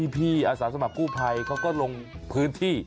อาสาสมัครกู้ภัยเขาก็ลงพื้นที่